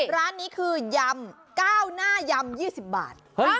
ร้านนี้คือยำก้าวหน้ายำยี่สิบบาทเฮ้ย